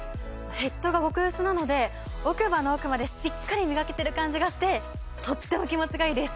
ヘッドが極薄なので奥歯の奥までしっかりみがけてる感じがしてとっても気持ちがイイです！